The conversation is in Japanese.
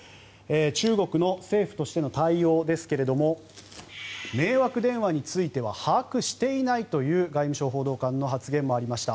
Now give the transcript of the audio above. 中国の政府としての対応ですが迷惑電話については把握していないという外務省報道官の発言もありました。